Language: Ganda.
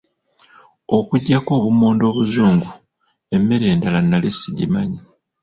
Okuggyako obummonde obuzungu, emmere endala nali sigimanyi.